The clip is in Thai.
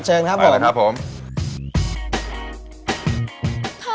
เชิญครับผมไปเลยครับผมเชิญครับผม